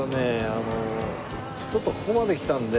あのちょっとここまで来たので。